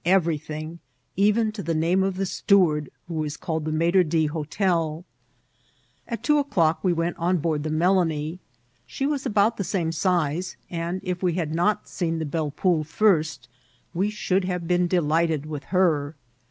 eTerything, even to the name ci the steward, who was called the mattre d'hdteL At two o'clock we went on board tfie Melanie. She was about the same size, and if we had not seen the Belle Ponle first, we should have been delighted with her.